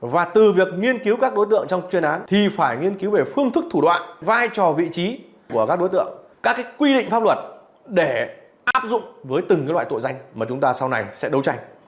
và từ việc nghiên cứu các đối tượng trong chuyên án thì phải nghiên cứu về phương thức thủ đoạn vai trò vị trí của các đối tượng các quy định pháp luật để áp dụng với từng loại tội danh mà chúng ta sau này sẽ đấu tranh